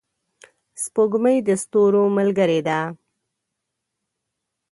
سپوږمۍ د ستورو ملګرې ده.